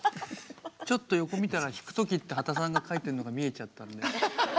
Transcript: ちょっと横見たら「引く時」って刄田さんが書いてるのが見えちゃったんで。